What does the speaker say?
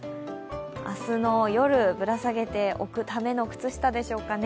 明日の夜、ぶら下げておくための靴下でしょうかね。